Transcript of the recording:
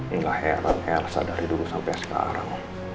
enggak heran elsa dari dulu sampai sekarang